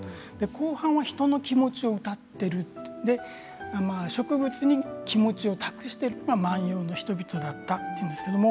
後半の人の気持ちを歌っている植物に気持ちを託しているのが万葉の人々だったということなんです。